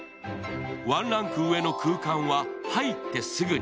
ワンランク上の空間は入ってすぐに。